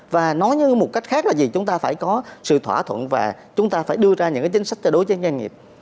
và nói như một cách khác là gì chúng ta phải có sự thỏa thuận và chúng ta phải đưa ra những chính sách cho đối với doanh nghiệp